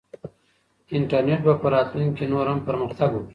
انټرنیټ به په راتلونکي کې نور هم پرمختګ وکړي.